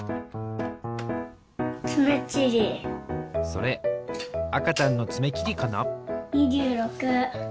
それあかちゃんのつめきりかな？